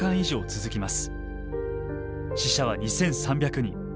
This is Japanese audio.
死者は２，３００人。